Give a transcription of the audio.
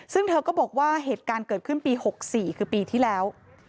ซึ่งเธอก็บอกว่าเหตุการณ์เกิดขึ้นปี๖๔คือปีที่แล้ว